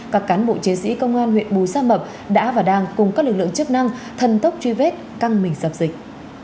các cán bộ chiến sĩ công an huyện bù gia mập đã và đang cùng các lực lượng chức năng thần tốc truy vết căng mình dập dịch